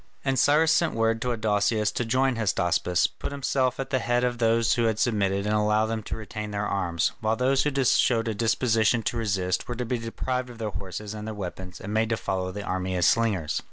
And Cyrus sent word to Adousius to join Hystaspas, put himself at the head of those who had submitted and allow them to retain their arms, while those who showed a disposition to resist were to be deprived of their horses and their weapons and made to follow the army as slingers.